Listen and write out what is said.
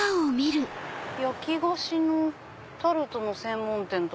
「焼き菓子とタルトの専門店」。